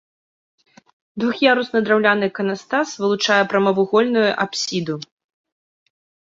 Двух'ярусны драўляны іканастас вылучае прамавугольную апсіду.